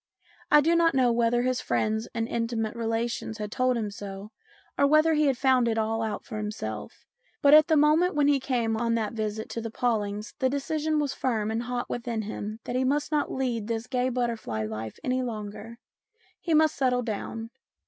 I do not know whether his friends and intimate relations had told him so, or whether he had found it all out for himself, but at the moment when he came on that visit to the Paw lings the decision was firm and hot within him that he must not lead this gay butterfly life any longer. He must settle down.